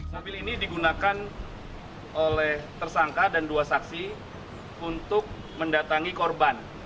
mobil ini digunakan oleh tersangka dan dua saksi untuk mendatangi korban